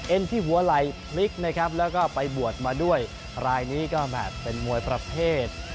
เอ็นที่หัวไหล่พลิกแล้วก็ไปบวดมาด้วยลายนี้ก็แบบเป็นมวยประเภท